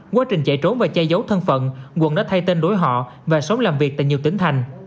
quá trình chạy trốn và che giấu thân phận quận đã thay tên đối họ và sống làm việc tại nhiều tỉnh thành